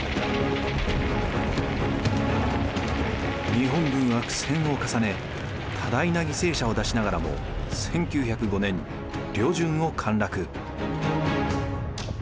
日本軍は苦戦を重ね多大な犠牲者を出しながらも１９０５年旅順を陥落。